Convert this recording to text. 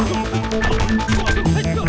gue teh terima kasih